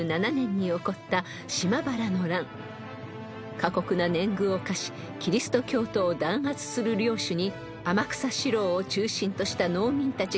［過酷な年貢を課しキリスト教徒を弾圧する領主に天草四郎を中心とした農民たちが反乱を起こしました］